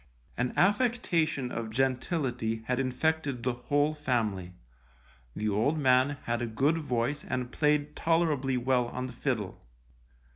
An affectation of gentility had infected the whole family, the old man had a good voice and played tolerably well on the fiddle.